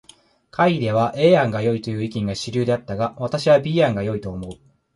会議では A 案がよいという意見が主流であったが、私は B 案が良いと思う。